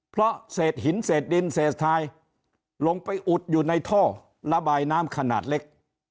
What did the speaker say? เพราะเศษหินเศษดินเศษทายลงไปอุดอยู่ในท่อระบายน้ำขนาดเล็ก